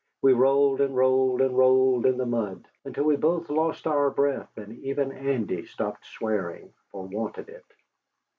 We rolled and rolled and rolled in the mud, until we both lost our breath, and even Andy stopped swearing, for want of it.